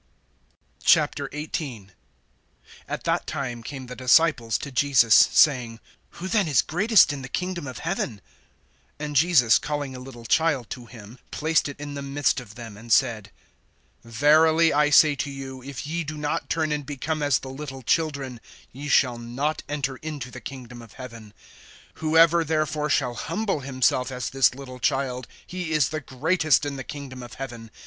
XVIII. AT that time came the disciples to Jesus, saying: Who then is greatest in the kingdom of heaven? (2)And Jesus, calling a little child to him, placed it in the midst of them, (3)and said: Verily I say to you, if ye do not turn and become as the little children, ye shall not enter into the kingdom of heaven. (4)Whoever therefore shall humble himself as this little child, he is the greatest in the kingdom of heaven.